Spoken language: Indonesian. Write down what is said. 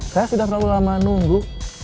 saya sudah terlalu lama nunggu